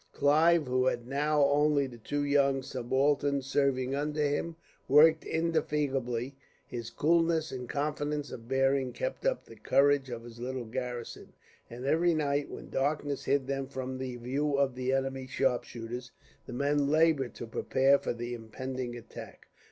Clive, who had now only the two young subalterns serving under him, worked indefatigably. His coolness and confidence of bearing kept up the courage of his little garrison, and every night, when darkness hid them from the view of the enemy's sharpshooters, the men laboured to prepare for the impending attack.